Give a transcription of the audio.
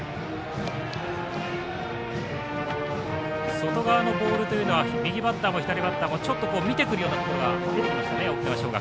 外側のボールというのは右バッターも左バッターもちょっと見てくるようなところが出てきましたね、沖縄尚学。